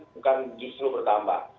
bukan justru bertambah